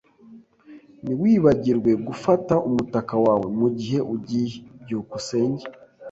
Ntiwibagirwe gufata umutaka wawe mugihe ugiye. byukusenge